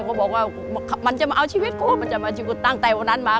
เขาบอกว่ามันจะมาเอาชีวิตกูมันจะมาชีวิตกูตั้งแต่วันนั้นมา